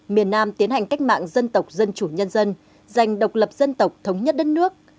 miền nam tiến hành cách mạng dân tộc dân chủ nhân dân giành độc lập dân tộc thống nhất đất nước